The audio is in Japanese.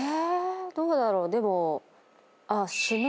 どうだろう？でも。